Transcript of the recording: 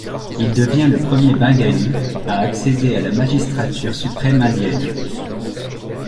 Il devient le premier Bengali à accéder à la magistrature suprême indienne.